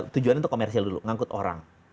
tujuan itu komersial dulu ngangkut orang